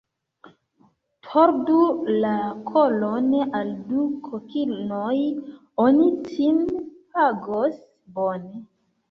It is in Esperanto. Tordu la kolon al du kokinoj, oni cin pagos bone.